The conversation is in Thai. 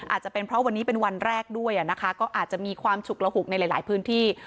อาจจะเป็นเพราะวันนี้เป็นวันแรกด้วยนะคะก็อาจจะมีความฉุกระหุกในหลายพื้นที่